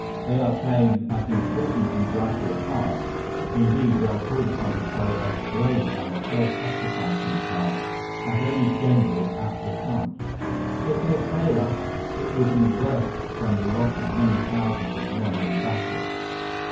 They are playing as important and vital a part—indeed, they are called upon to play as brave and self sacrificing a part—as any general at the front. If they fail us it will be worse than the loss of many thousands of men in battle.